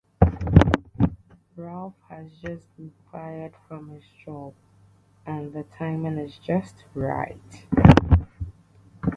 Ralph has just been fired from his job and the timing is just right.